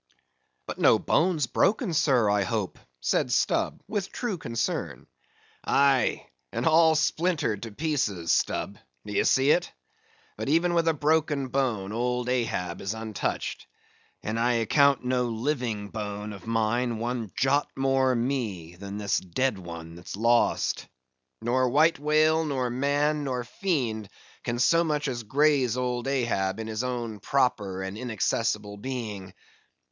"But no bones broken, sir, I hope," said Stubb with true concern. "Aye! and all splintered to pieces, Stubb!—d'ye see it.—But even with a broken bone, old Ahab is untouched; and I account no living bone of mine one jot more me, than this dead one that's lost. Nor white whale, nor man, nor fiend, can so much as graze old Ahab in his own proper and inaccessible being.